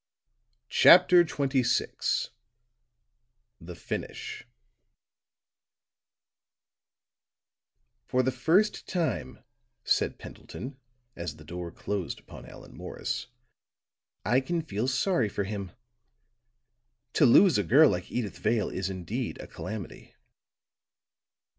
CHAPTER XXVI THE FINISH "For the first time," said Pendleton, as the door closed upon Allan Morris, "I can feel sorry for him. To lose a girl like Edyth Vale is indeed a calamity.